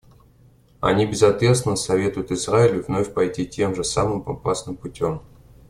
Они безответственно советуют Израилю вновь пойти тем же самым опасным путем.